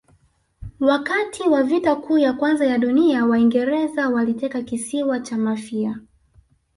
wakati wa vita kuu ya kwanza ya dunia waingereza waliteka kisiwa cha mafia